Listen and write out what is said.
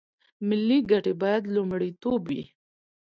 ملي ګټې باید لومړیتوب وي